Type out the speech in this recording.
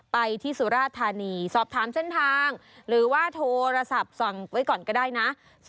ไปที่สุราธานีสอบถามเส้นทางหรือว่าโทรศัพท์ส่องไว้ก่อนก็ได้นะ